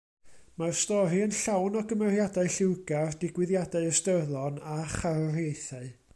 Mae'r stori yn llawn o gymeriadau lliwgar, digwyddiadau ystyrlon, a charwriaethau.